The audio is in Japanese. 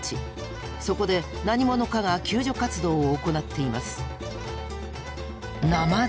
そこで何者かが救助活動を行っています。